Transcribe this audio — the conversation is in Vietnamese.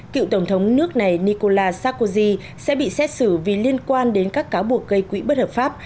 cựu tổng thống nước này nicola sakozy sẽ bị xét xử vì liên quan đến các cáo buộc gây quỹ bất hợp pháp